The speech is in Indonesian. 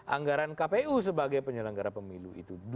anggaran kpu sebagai penyelenggara pemilu itu